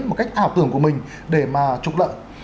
một cách ảo tưởng của mình để mà trục lợi